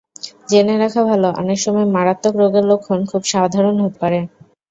জেনে রাখা ভালো, অনেক সময় মারাত্মক রোগের লক্ষণ খুব সাধারণ হতে পারে।